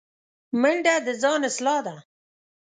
منډه د ځان اصلاح ده